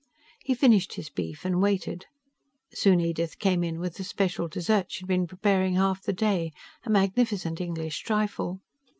He finished his beef and waited. Soon Edith came in with the special dessert she'd been preparing half the day a magnificent English trifle.